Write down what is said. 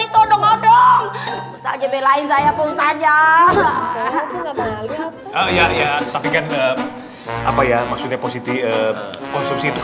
itu odong odong saja belain saya pun saja ya tapi kan apa ya maksudnya positif konsumsi itu